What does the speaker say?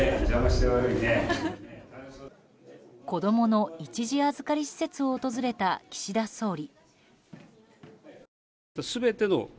子供の一時預かり施設を訪れた岸田総理。